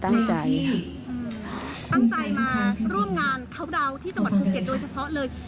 ที่ตั้งใจมาร่วมงานเข้าดาวน์ที่จังหวัดภูเก็ตโดยเฉพาะเลย